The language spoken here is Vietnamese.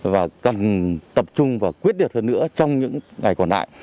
và cần tập trung và quyết điệt hơn nữa trong những ngày còn lại